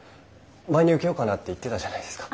前に受けようかなって言ってたじゃないですか。